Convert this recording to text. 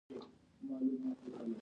سټېفنس له دې امله ډېر مشهور شوی و.